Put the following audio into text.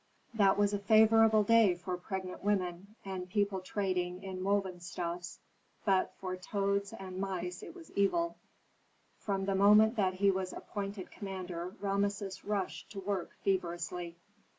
That was a favorable day for pregnant women, and people trading in woven stuffs, but for toads and mice it was evil. From the moment that he was appointed commander Rameses rushed to work feverishly.